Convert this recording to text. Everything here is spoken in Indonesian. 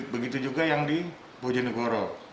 begitu juga yang di bojonegoro